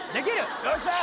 よっしゃー！